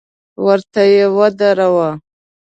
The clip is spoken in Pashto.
وره ته يې ودراوه.